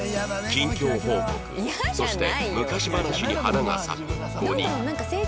近況報告そして昔話に花が咲く５人